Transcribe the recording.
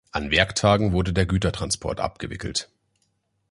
An Werktagen wurde der Gütertransport abgewickelt.